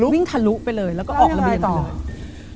วิ่งทะลุไปเลยแล้วก็ออกระเบียงไปเลย